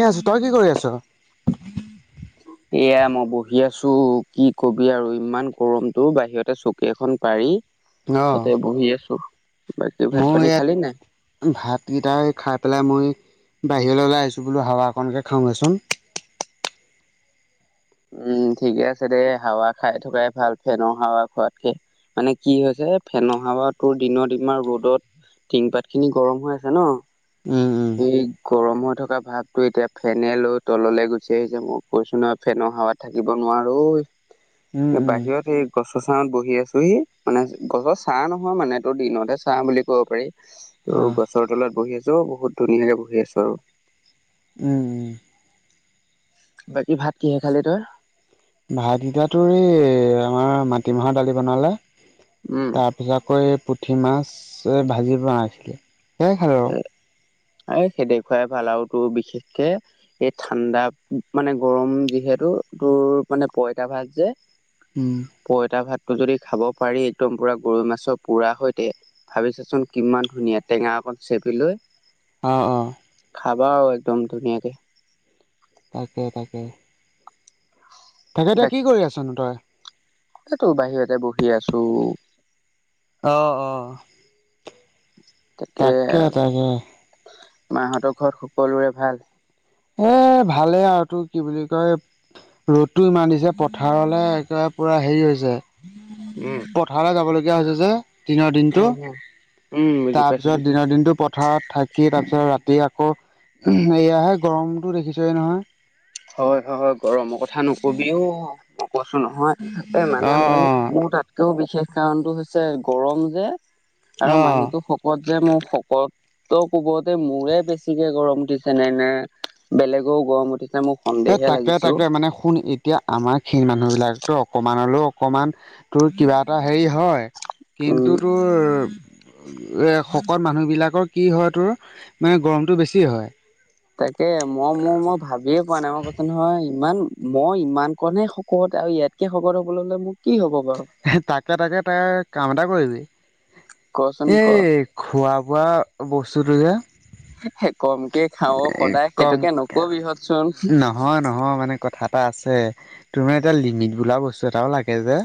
[unintelligible] আছো, তই কি কৰি আছ? এয়া মই বহি আছো, কি কবি আৰু ইমান গৰম তো বাহিৰতে চকী এখন পাৰি তাতে বহি আছো। বাকী ভাত মইও পানী ইয়াত খালি নাই ভাতকেইটাই খাই পেলাই মই বাহিৰলৈ ওলাই আহিছোঁ বোলো, হাৱা অকণকে খাওঁহেচোন। উম ঠিকে আছে দে, হাৱা খাই থকাই ভাল, ফেনৰ হাৱা খোৱাতকে। মানে কি হৈছে ফেনৰ হাৱা তোৰ দিনত ইমান ৰ'দত টিং পাতখিনি গৰম হৈ আছে ন? উম। উম এই গৰম হৈ থকা ভাৱটো এতিয়া ফেনে লৈ তললে গুচি আহিছে, মই কৈছো নহয় ফেনক হাৱাত থাকিব নোৱাৰো, উম, ঐ উম, বাহিৰত সেই গছৰ ছাঁত বহি আছোহি মানে গছৰ ছা নহয় মানে তোৰ দিনতহে ছা বুলি কব পাৰি। ত' অ গছৰ তলত বহি আছো বহুত ধুনীয়াকে বহি আছো আৰু। উম উম বাকী ভাত কিহে খালি তই? ভাত এতিয়া তোৰ এই আমাৰ মাটিমাহৰ দালি বনালে উম, তাৰ য়াকৈ পুঠি মাছ ভাজিব [unintelligible] সেয়াই খালো। আৰু আই খেদেখুৱাই ভাল আৰু তোৰ বিশেষকে এই ঠাণ্ডা মানে গৰম যিহেতু তোৰ মানে পইতা ভাত যে উম। পইতা ভাতটো যদি খাব পাৰি একদম পুৰা গৰৈ মাছৰ পোৰা সৈতে ভাবিছাচোন কিমান ধুনীয়া টেঙা অকণ চেপি লৈ অ অ খাবা আৰু একদম ধুনীয়াকে। তাকে তাকে। তেখেতে কি কৰি আছনো তই? [unintelligible] বাহিৰতে বহি আছো। অ অ। তাকে, মাহঁতৰ ঘৰত সকলোৰে ভাল? এ ভালেই আৰু তোৰ কি বুলি কয় ৰ'দটো ইমান দিছে পথাৰলৈ একেবাৰে পূৰা হেৰি হৈছে উম সদাই যাবলগীয়া হৈছে যে। দিনৰ দিনটো, উম, উম, উম, বুজি পাইছো। তাৰপিছত দিনৰ দিনটো পথাৰত থাকি তাৰপিছত ৰাতি তি আকৌ এয়াহে গৰমটো দেখিছয়ে নহয়। হয় হয় হয় গৰমৰ কথা নকবিও মই কৈছো নহয় এ অ মানে মোৰ মোৰ তাত কও বিশেষ কাৰণটো হৈছে গৰম যে আৰু অ মানুহতো কত যে মোৰ শকত। ত' ক'বতে মোৰে বেছিকে গৰম উঠিছে নে নে বেলেগেও গৰম উঠিছে মোক এই সন্দেহে তাকে লাগিছে অ তাকে মানে শুণ ই এতিয়া আমাৰ ক্ষীণ মানুহবিলাকতো অকণমানলৈও অকণমান তোৰ কিবা এটা হেৰি হয়। উম কিন্তু তোৰ শকত মানুহবিলাকৰ কি হয় তোৰ মানে গৰমটো বেছি হয়। তাকে মই মোৰ মই ভাবিয়ে পোৱা নাই মই কৈছো নহয় ইমান মই ইমান কণে সকত আৰু ইয়াত খবৰ হ'বলৈলে মোক কি হ'ব বাৰু। তাকে তাকে তাৰ কাম এটা কৰিবি কচোন ক এই খোৱা বোৱা বস্তুটো যে কমকে খাও সদায় কম সেইটোকে নকবি হতচোন। নহয় নহয় মানে কথা এটা আছে, তুমাৰ এতিয়া লিমিট বোলা বস্তু এটাও লাগে যে।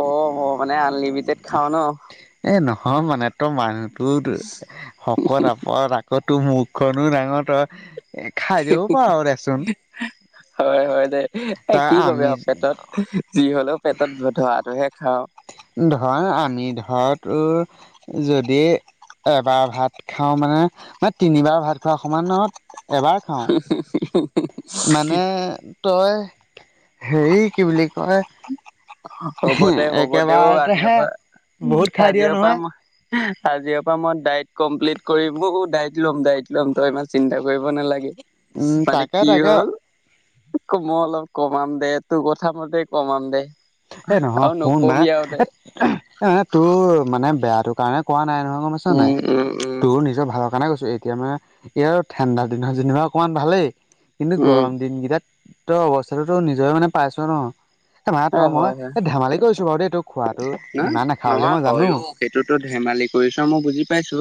অ ম মানে আনলিমিটেড খাও ন। এ নহয় মানে তই মানুহটো শকত আপত আকৌ তোৰ মুখখনো ডাঙৰ তই খাই দিব পাৰ দেচোন। হয় হয় দে এ তাৰ কি কবি আমি আৰু পেটত যি হলেও পেটত ধোৱাটোহে খাওঁ। ধৰ আমি ধৰো তোৰ যদি এবাৰ ভাত খাওঁ মানে ম তিনিবাৰ ভাত খোৱা সমান নহ হি হি হি মানে তই হেৰি কি বুলি কয় হ'ব দে হ'ব দে অ আজিও একেবাৰতেহে পৰা বহুত খাই দিয় আজিৰে পৰা নহয় মই আজিৰ পৰা মই ডাইট কমপ্লিট কৰি, ডাইট লম ডাইট ল'ম তই ইমান চিন্তা কৰিব নালাগে। উম মানে তাকে কি তাকে হ'ল [unintelligible] মই অলপ কমাম দে তোৰ কথাামতে কমাম দে। এ নহয় আৰু শুন না নকবি আৰু দে এ তোৰ মানে বেয়াটো কাৰণে কোৱা নাই নহয় গম পাইছ উম নাই? উম উম তোৰ নিজৰ ভালৰ কাৰণে কৈছো এতিয়া মানে এই ঠাণ্ডাৰ দিনৰ যেনিবা অকণমান ভালেই কিন্তু উম গৰম দিন কেইটাত ত অৱস্থাটো নিজৰে মানে পাইছ ন। এ তই মই হয় হয় এই ধেমালি কৰিছো বাৰু দেই খোৱাটো ইমান নাখাৱ বুলি মই জানো। তো ধেমালি কৰিছ মই বুজি পাইছো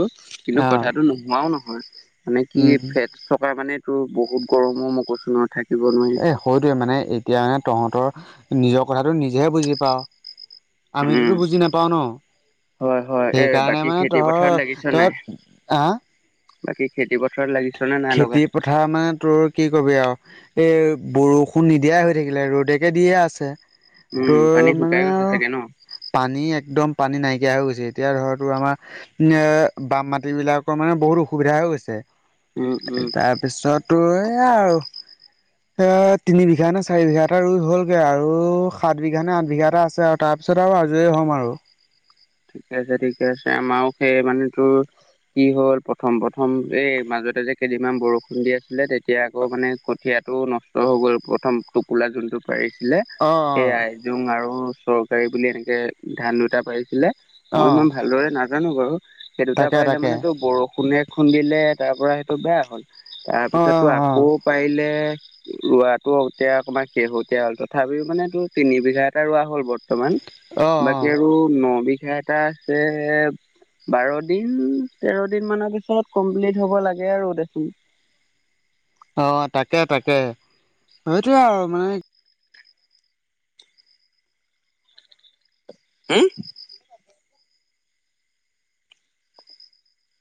কিন্তু অ কথাটো নোহোৱাও নহয়। মানে কি উম ফেট থকা মানে তটো বহুত গৰমো ম কৈছোঁ ন থাকিব নোৱাৰি। হয়দে মানে এতিয়া মানে তহঁতৰ নিজৰ কথাটো নিজেহে বুজি পাওঁ। আমিতোতো উম বুজি নাপাও ন। হয় হয় এ সেইকাৰণে বাকী মানে খেতি পথাৰত লাগিছ তই, নাই তই অহ বাকী খেতি পথাৰত লাগিছ নে নাই লগা খেতি প পথাৰ মানে তোৰ কি কবি আৰু? এই বৰষুণ নিদিয়াই হৈ থাকিলে, ৰ'দকে দিয়েই আছে। উম পানী তোৰ শুকাই মানে গৈছে আৰু চাগে ন পানী একদম পানী নাইকিয়া হৈ গৈছে, এতিয়া ধৰ, তোৰ আমাৰ এ, বাম মাটি বিলাকৰ মানে বহুত অসুবিধা হৈ গৈছে। উম উম তাৰপিছত তোৰ এইয়া আৰু এ তিনিবিঘা নে চাৰিবিঘা এটা ৰুই হ'লগে আৰু সাতবিঘা নে আঠবিঘা এটা আছে আ তাৰপিছত আৰু আজৰি হ'ম আৰু। ঠিকেই আছে ঠিকেই আছে, আমাৰো সেই মানে তোৰ কি হ'ল প্ৰথম প্ৰথম এই মাজতে যে কেইদিনমান বৰষুণ দি আছিলে, তেতিয়া আকৌ মানে কঠিয়া টো নষ্ট হৈ গ'ল, প্ৰথম টোপোলা যোনটো পাৰিছিলে অ অ সেইয়াই। জোং আৰু চৰকাৰী বুলি এনেকে ধান দুটা পাৰিছিলে, মই অ ইমান ভালদৰে নাজ জানো বাৰু, সেই দুটা তাকে পাৰিলে তাকে মানেটো বৰষুণে খুন্দিলে, তাৰপৰা সেইটো বেয়া হ'ল। অ অ তাৰপিছতটো অ আকৌ পাৰিলে ৰোৱাতো এতিয়া অকমান শেহতিয়া হ'ল, তথাপিও মানে তোৰ তিনিবিঘা এটা ৰোৱা হ'ল বৰ্ত ৰ্তমান, অ বাকী আৰু ন বিঘা এটা আছে বাৰদিন, তেৰদিন মানৰ পিছত কমপ্লিট হ'ব লাগে আৰু দেখোন। অ', তাকেহে তাকেহে, সেইটোয়েই আৰু মানে হুম?